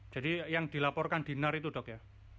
jadi yang dilaporkan di nar itu dok ya